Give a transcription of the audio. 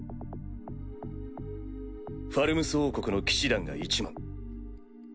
ファルムス王国の騎士団が１万。